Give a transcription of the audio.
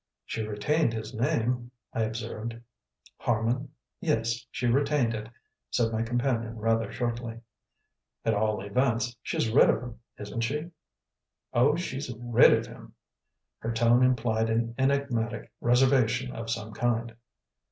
"She retained his name," I observed. "Harman? Yes, she retained it," said my companion rather shortly. "At all events, she's rid of him, isn't she?" "Oh, she's RID of him!" Her tone implied an enigmatic reservation of some kind.